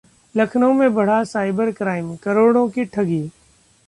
लखनऊ में बढ़ा cyber crime, करोड़ों की ठगी